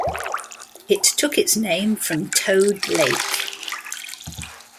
It took its name from Toad Lake.